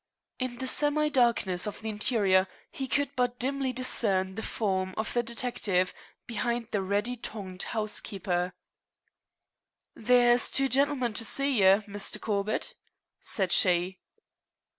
In the semi darkness of the interior he could but dimly discern the form of the detective behind the ready tongued housekeeper. "There's two gintlemen to see ye, Misther Corbett," said she.